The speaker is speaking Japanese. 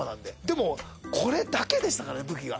でもこれだけでしたから武器が。